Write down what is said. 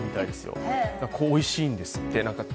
おいしいんですって。